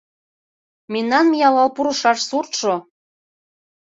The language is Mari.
Мемнан миялал пурышаш суртшо